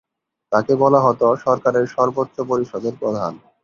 তাকে বলা হতো সরকারের সর্বোচ্চ পরিষদের প্রধান।